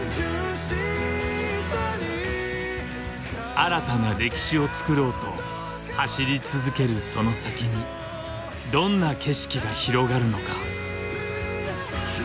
新たな歴史をつくろうと走り続けるその先にどんな景色が広がるのか。